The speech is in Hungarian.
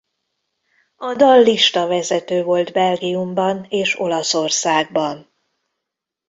A dal listavezető volt Belgiumban és Olaszországban.